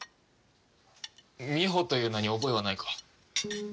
「みほ」という名に覚えはないか？